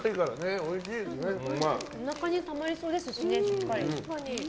おなかにたまりそうですしね。